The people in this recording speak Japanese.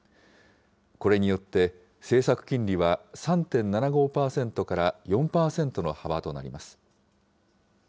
これによって、政策金利は３．７５％から４％の幅となります。